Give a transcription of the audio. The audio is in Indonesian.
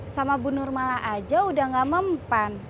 sama bu nur malah aja udah gak mempan